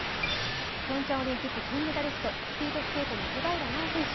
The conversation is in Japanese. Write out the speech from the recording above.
ピョンチャンオリンピック金メダリスト、スピードスケートの小平奈緒選手。